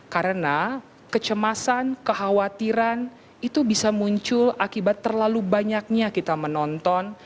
karena kecemasan kekhawatiran itu bisa muncul akibat terlalu banyaknya kita menonton